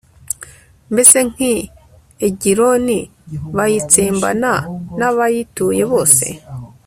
mbese nk'i egiloni, bayitsembana n'abayituye bose